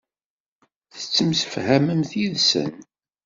Tettemsefhamemt yid-sen.